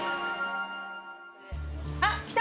あっ来た。